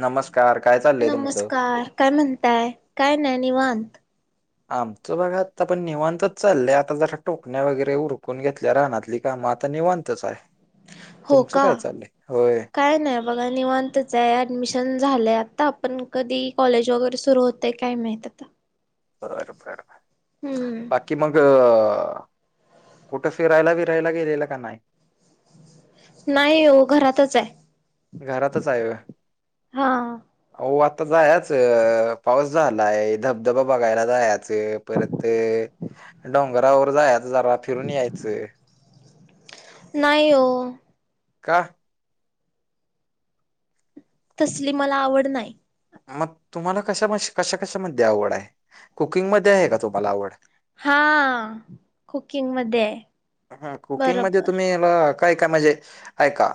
नमस्कार कार कायच नमस्कार काय म्हणताय काय नाही निवांत आमचं बघ आता पण निवांतच चाललंय आता जरा टोकण्या वगैरे उरकून घेतल्या रानातली कामं आता निवांत तच आहे तुमचं काय चाललंय होय मग निवांतच आहे ऍडमिशन झालंय आता आपण कधी कॉलेज वगैरे सुरू होतेय काय माहत बर बर हम्म बाकी कि मग कुठं फिरायला बीरायला गेलेला का नाही नाही हो घरातच आहे घरातच आहे होय हा हो आता जायच पाऊस झालाय धबधबा बघायला जायाच परत ते डोंगरावर जायाचं जरा फिरून यायचं नाही ओ का तसली मला आवड नाही मग तुम्हाला कश कशा कशामध्ये आवड आहे कुकिंगमध्ये आहे का तुम्हाला आवड हा कुकिंग मध्ये आहे ह कुकिंग मध्ये बरोबर तुम्ही याला काय काय म्हणजे ऐका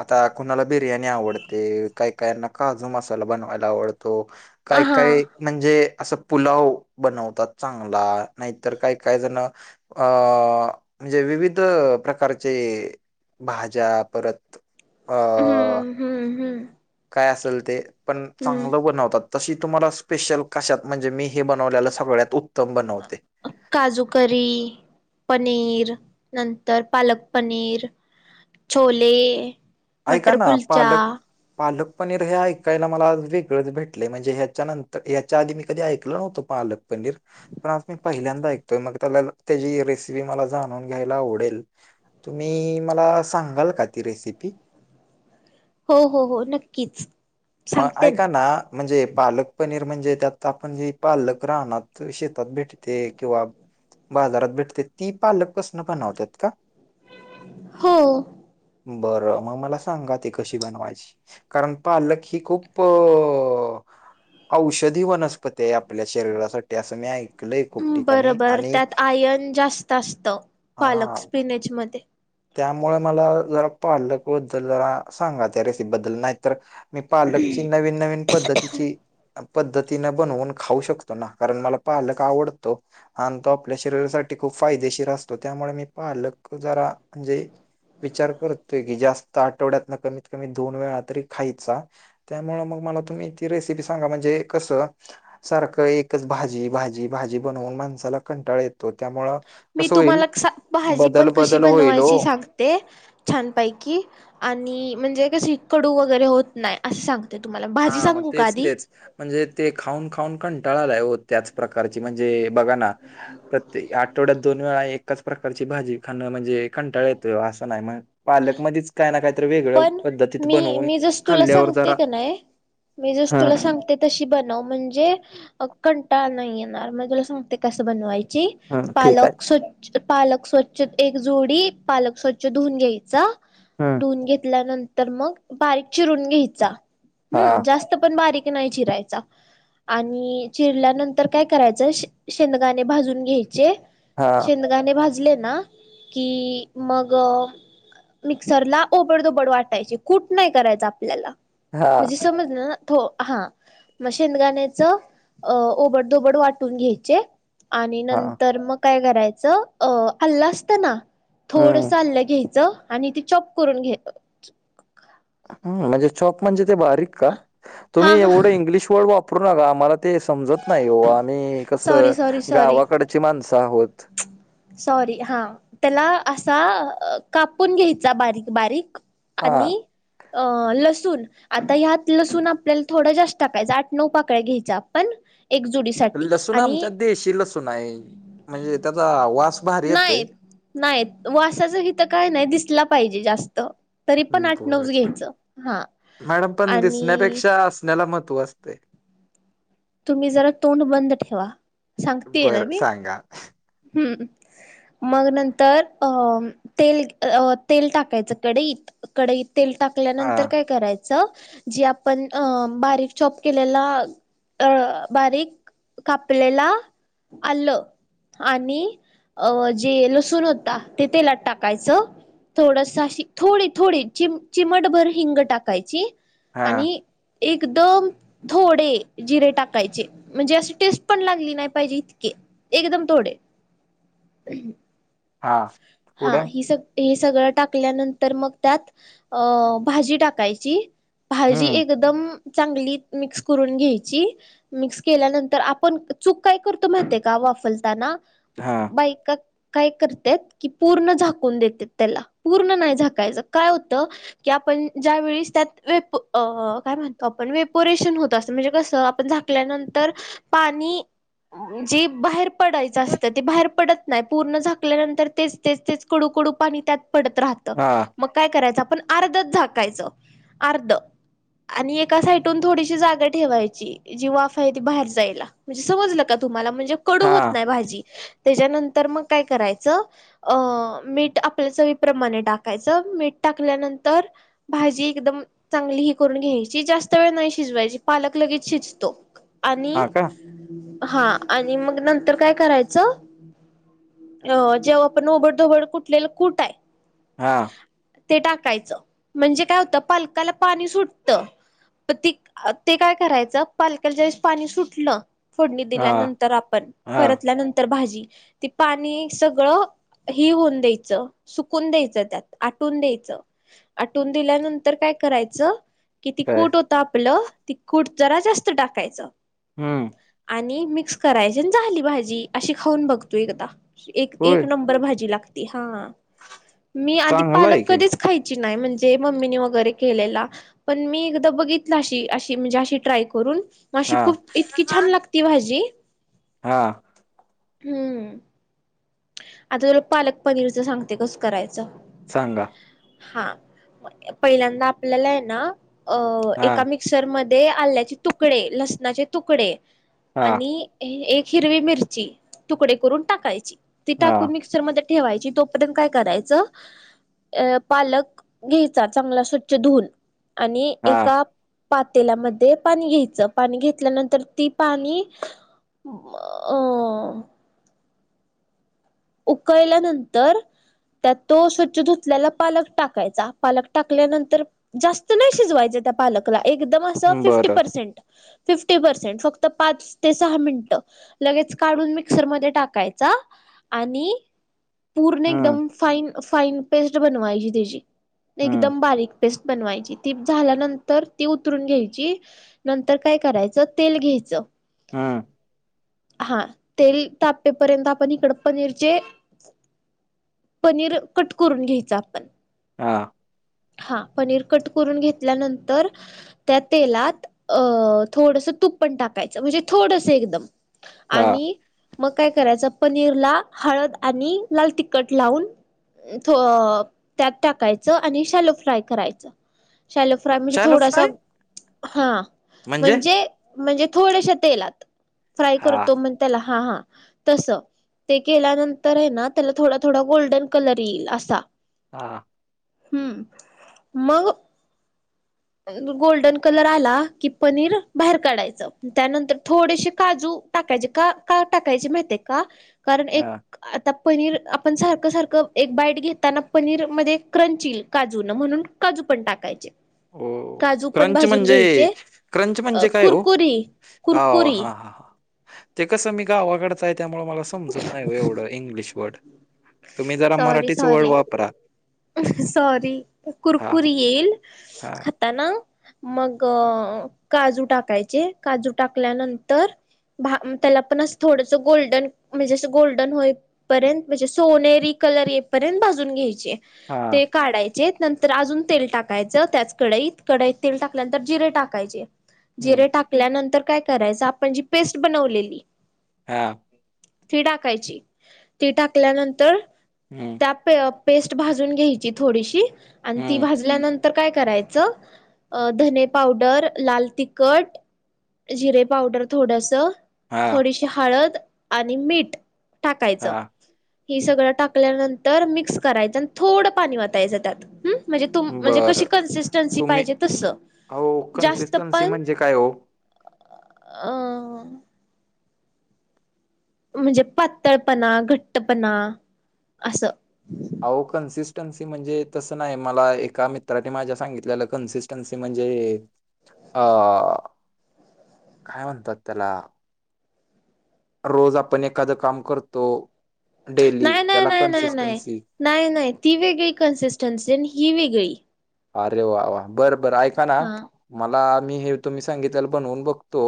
आता कुणाला बिर्याणी आवडते काही काहीना काजू मसाला बनवायला आवडतो काय हा काय म्हणजे असं पुलाव बनवतात चांगला नाहीतर काय काय जण अ म्हणजे विविध प्रकारचे भाज्या परत अ हम्म हम्म हम्म काय असेल ते पण हम्म चांगलं बनवतात तशी तुम्हाला स्पेशल काशात, म्हणजे मी हे बनवलेला सगळ्यात उत्तम बनवते. काजूकरी, पनीर नंतर पालक पनीर. छोले ऐका मटर ना कुलचा पालक पालक पनीर हे ऐकायला मला आज वेगळंच भेटलंय. म्हणजे ह्याच्यानंतर ह्याच्या आधी मी कधी ऐकलं नव्हत पालक पनीर पण आज मी पहिल्यांदा ऐकतोय. मग त्याला त्याची रेसिपी मला जाणून घ्यायला आवडेल. तुम्ही मला सांगाल का ती रेसिपी. हो हो हो नक्कीच. मग सांगते ना ऐकना म्हणजे पालक पनीर म्हणजे त्यात आपण जे पालक राणात शेतात भेटते किंवा बाजारात भेटते. ती पालक पासन बनवतात का? हो. बरं मग मला सांगा ते कशी बनवायची. कारण पालक ही खूप औषधी वनस्पती आहे. आप आपल्या शरीरासाठी असं मी ऐकलय खूप ठिकाणी. बरोबर आणि त्यात आयन जास्त असतं पालक हा स्पिनेज मध्ये. त्यामुळे मला जरा पालक बद्दल जरा सांगा त्या रेसिपी बद्दल. नाही तर मी पालकची नवीन नवीन पद्धतीची पद्धतीने बनवून खाऊ शकतो ना. कारण मला पालक आवडतो. आणि तो आपल्या शरीरासाठी खूप फायदेशीर असतो. त्यामुळे मी पालक जरा म्हणजे विचार करतोय की जास्त आठवड्यातन कमीत कमी दोन वेळा तरी खायचा. त्यामुळ मग मला तुम्ही ती रेसिपी सांगा. म्हणजे कसं सारखं एकच भाजी भाजी भाजी बनवून माणसाला कंटाळ येत. त त्यामुळ मी कसं होईल तुम्हाला सा भाजी बदल पण कशी बदल होईल. हो [unintelligible] छानपैकी आणि म्हणजे कस कडू वगैरे होत नाही असं सांग. ते तुम्हाला भाजी हां, मग सांगू का तेच, आधी. तेच. म्हणजे ते खाऊन खाऊन कंटाळा आलाय हो. त्याच प्रकारची म्हणजे बघा ना प्रत्ये आठवड्यात दोन वेळा एकाच प्रकारची भाजी खाणं म्हणजे कंटाळा येतोय हो असं नाही मग पालक मधीच काय ना काहीतरी वेगळ्या पण पद्धतीत मी बनवून मी जस तुला खाल्ल्यावर सांगते जरा का नाही मी जस हं, तुला सांगते तशी बनव म्हणजे कंटाळ नाही येणार. म तुला सांगते कस बनवायची. हं. ठीक आहे. पालक स्वच्छ पालक स्वच्छ एक जुडी पालक स्वच्छ धुऊन घ्यायचा हं. धून घेतल्यानंतर मग बारीक चिरून घ्यायचा. हां, हूं जास्त पण बारीक नाही चिरायचा. आणि चिरल्यानंतर काय करायचं शेंदगाणे भाजून घ्यायचे. हां, शेद दाणे भाजले ना कि मग मिक्सरला ओबडदोबड वाटायची कुट नाही करायच आपल्याला. म्हणजे हां, समजलं हो हा मग शेंदगाण्याच अ ओबड दोबड वाटून घ्यायचे. आणि हां. नंतर मग काय करायचं अ अल्ल असत ना हं, थोडस अल्लं घ्यायचं आणि ते चॉप करून घ्यायच. ह म्हणजे चॉप म्हणजे ते बारीक का? हा तुम्ही हा एवढं इंग्लिश वर्ड वापर कुणाला आम्हाला ते समजत नाही हो आम्ही कसं सॉरी सॉरी सॉरी गावाकडची माणसं आहोत. सॉरी हा त्याला असा कापून घ्यायचा बारीक बारीक हां. आणि अ लसूण आता ह्यात लसूण आपल्याला थोडं जास्त टाकायचं. आठ नऊ पाकळ्या घ्यायच्या आपण एक जुडी लसूण आमच्या देशी लसूण आहे. म्हणजे त्याचा वास भारी येतोय. नाही वासाचं हीथं काय नाही दिसला पाहिजे जास्त. तरी पण आठ नऊच बर घ्यायचं हा मॅडम पण आणि दिसण्यापेक्षा असण्याला महत्त्व असतेय. तुम्ही जरा तोंड बंद ठेवा सांगतेय ना बरं मी सांगा. हम् मग नंतर तेल तेल टाकायचं कडे इत. कडे इ तेल टाक हा ंतर काय कराय ज आपण बकप के अ बारीक कापलेला आलं. आणि अ जे लसूण होता ते तेलात टाकायचं. थोडशी थोडी थोडी च चिमटभर हिंग टाकायची. हा आणि एकदम थोडे. जिरे टाकायचे म्हणजे अशी टेस्ट पण लागली नाही पाहिजे इतके एकदम थोडे. ह. हा. हा पुढं ही सग. हे सगळं टाकल्यानंतर मग त्यात अ भाजी टाकायची. भाजी हम्म एकदम चांगली मिक्स करून घ्यायची. मिक्स केल्यानंतर आपण चूक काय करतो माह का वाफलताना. हा बायका काय करतात. की पूर्ण झाकून देते त्याला पूर्ण नाही झाकायचं काय होतं. की आपण ज्या वेस त्यात वे काय म्हणतो आपण वेपोरेशन होत असं म्हणजे कसं आप. ंत पाणीे बाहेर. पडायच असतं ते बाहेर पडत नाही पूर्ण झाकल्यानंतर. तेच तेच तेच कडूकडू पाणी त्यात पडत राहत हा मग. काय करायचं आपण अर्धच झाकायचं अर्ध. आणि एका साइडून थोडीशी जागा ठेवायची. जी वाफ आहे ती बाहेर जायला म्हणजे समजलं का तुम्हाला म्हणजे. कडू हा होत नाही भाजी त्याच्यानंतर मग काय करायचं. अ मीठ आपल्या चवीप्रमाणे टाकायचं मीठ टाकल्यानंतर. भाजी एकदम. चांगली ही करून घ्यायची जास्त वेळ नाही शिजवायची पालक लगेच शिजतो आणि. हा का हा आणि मग नंतर काय करायचं अ जेव्हा. पण उबड ोबड कुठलेलं कुठ आहे. हा. ते टाकायचं म्हणजे काय होतं पालकाला पाणी सुटतं. प त ते काय करायचं पालकला ज्यावेळेस पाणी सुटलं. फोडणी हा दिल्यानंतर आपण हा परतल्यानंतर भाजी ती पाणी सगळं. ही होऊन द्यायचं सुकून द्यायचं त्यात आटून द्यायचं. आटवून दिल्यानंतर काय करायचं. कि ती काय कूट होत आपलं ती कूट जरा जास्त टाकायचं. हम्म. आणि मिक्स करायचे झाली भाजी अशी खाऊन बघतो एकदा होय एक नंबर. बरोबर भाजी लागते हा मी आधी चांगलं पालक आहे की कधीच. खायची नाही म्हणजे मम्मीने वगैरे केलेला. पण मी एकदा बघितलं अशी अशी म्हणजे अशी ट्राय करून. मशी हा खूप इतकी छान लागती भाजी. हा. हम्म. आता तुला पालक पनीरचं सांगते कस करायचं. सांगा हा पहिल्यांदा आपल्याला आहे ना अ हा एम मिक्सरमध्येध्ये आल्याचे तुकडे लसणाचे तुकडे हा आणि एक हिरवी मिरची तुकडे करून टाकायची ती हा टाक. मिक्सरमध्ये ठेवायची तोपर्यंत काय करायचं. अ पालक घ्यायचा चांगला स्वच्छ धुऊून आणि हा एका. पातेल्यामध्ये पाणी घ्यायचं पाणी घेतल्यानंतर ती पाणी अ उकळल्यानंतर त्यात तो स्वच्छ धुतल्याला पालक टाकायचा पालक टाकल्यानंतर जास्त नाही शिजवायचं त्या पालकला एकदम असं फिफ्टी बरं पर्सेंट फिफ्टी पर्सेंट फक्त पाच ते सहा मिनिटं लगेच काढून मिक्सरमध्ये टाकायचा आणि पूर्ण हम्म एकदम फाईन फाईन पेस्ट बनवायची त्याची हम्म एकदम बारीक पेस्ट बनवायची ती झाल्यानंतर ती उतरून घ्यायची नंतर काय करायचं तेल घ्यायचं हम्म हा तेल तापेपर्यंत आपण इकड पनीरचे पनीर कट करून घ्यायचं आपण हा हा पनीर कट करून घेतल्यानंतर त्या तेलात अ थोडसं तूप पण टाकायचं म्हणजे थोडस एकदम हा आणि मग काय करायचं पनीर ला हळद आणि लाल तिखट लावून त्यात टाकायच आणि शलो फ्राय करायच शलो फ्राय म्हणजे शॅलो थोडासा फ्राय हा म्हणजे म्हणजे थोड्याश तेलात फ्राय हा करतो मग त्याला हा हा तस ते केल्यानंतर आहे ना त्याला थोडा थोडा गोल्डन कलर येईल असा हां हम्म मग गोल्डन कलर आला कि पनीर बाहेर काढायचं त्यानंतर थोडेसे काजू टाकायचे का का टाकायचे माह का कारण हा एक आता पनीर आपण सारखं सारखं एक बाईट घेताना पनीर मध्ये क्रंच काजू ना म्हणून काजू पण टाकायचे हो काजू पण क्रंच भाजून म्हणजे घ्यायचे क्रंच अ म्हणजे काय हो कुरकुरी हो कुरकुरी हा हा ह ते कसं मी गावाकडचं आहे त्यामुळे मला समजत नाही एवढं इंग्लिश वर्ड तुम्ही जरा सॉरी मराठीच वर्ड सॉारी वापरा सॉारी हा कुरकुरी येल हा आताना मग काजू टाकायचे काजू टाकल्यानंतर त्याला पण अस थोडस गोल्डन म्हणजे अस गोल्डन होईपर्यंत म्हणजे सोनेरी कलर येपर्यंत भाजून घ्यायचे हा ते काढायचे नंतर अजून तेल टाकायचं त्याच कडाईत कडाईत तेल टाकल्यानंतर जिरे टाकायचे हम्म जिरे टाकल्यानंतर काय करायच आपण जी पेस्ट बनवलेली हा ती टाकायची ती टाकल्यानंतर हम्म ून घ्या थो हम्म तल्यानंतर तर काय करायचं धने पावडर लाल तिखट जिरे पावडर थोडस हा थोडीशी हळद आणि मीठ टाकायचं हा हि सगळं टाकल्यानंतर मिक्स करायचं आणि थोडं पाणी वातायचं त्यात् म्हणजे म्हणजे कशी बरं कन्सिस्टन्सी तुम्ही पाहिजे तस अहो जास्त कन्सिस्टन्सी पण म्हणजे काय हो अं म्हणजे पातळपणा घट्टपणा असं अह कन्सिस्टन्सी म्हणजे तसं नाही मला एका मित्राने माझ्या सांगित कन्सि त्यांचे म्हणजे अ काय म्हणतात त्याला रोज आपण एखादं काम करतो डेली नाही नाही त्याला नाही नाही नाही. कन्सिस्टन्सी नाही नाही ती वेगळी कन्सिस्टन्सी आहे ही वेगळी अरे वा वा बरं बर ऐका ना हा मला मी हे तुम्ही सांगितल्याला बनवून बघतो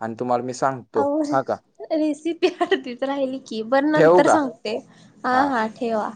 आणि तुम्हाला मी सांगतो हा का अह रेसिपी हडतीच राहिली की बर ठेवू नंतर का सांगते हा हा ठेवा